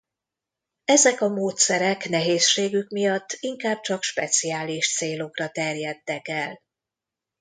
Ezek a módszerek nehézségük miatt inkább csak speciális célokra terjedtek el.